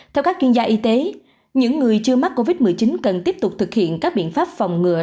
theo các chuyên gia y tế những người chưa mắc covid một mươi chín cần tiếp tục thực hiện các biện pháp phòng ngừa